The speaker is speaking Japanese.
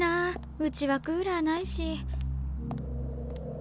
うちはクーラーないし。